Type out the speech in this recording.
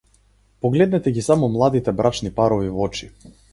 Погледнете ги само младите брачни парови в очи.